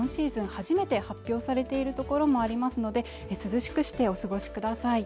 初めて発表されているところもありますので涼しくしてお過ごしください